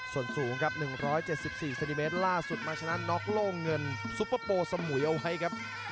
ส่วนสูงครับ๑๗๔เซนติเมตรล่าสุดมาชนะน็อกโล่งเงินซุปเปอร์โปร์สมุยเอาไว้ครับ